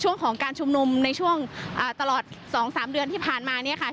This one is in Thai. ช่วงของการชุมนุมในช่วงตลอด๒๓เดือนที่ผ่านมาเนี่ยค่ะ